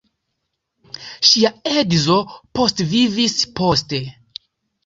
Ŝia edzo postvivis poste.